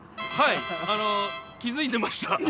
はいあの気づいてました。